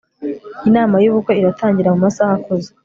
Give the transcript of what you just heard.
inama yubukwe iratangira mumasaha akuze